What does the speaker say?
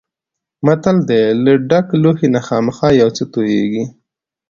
متل دی: له ډک لوښي نه خامخا یو څه تویېږي.